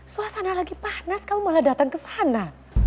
suasana lagi panas kamu malah datang ke sana